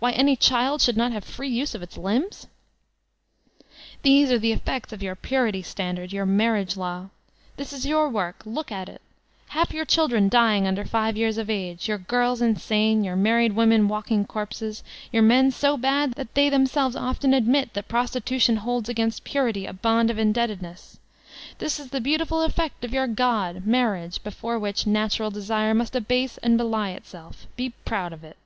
Why any child rfiould not have free use of its limbs ? These are the effects of your purity standard, your marriage law. This b your work— ^look at itl Half 35^ VOLTAUtlNE DE ClEYKE your children dying tinder five years of age, yonr girh insane, your married women walking corpses, your men 80 bad that they themselves often admit Prosiiiuiiom holds agamst Purity a bond of indebtedness. This is the beautiful effect of your god, Marriage, before whidi Natural Desire must abase and belie itself. Be proud of it!